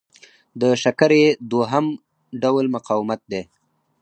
د شکرې دوهم ډول مقاومت دی.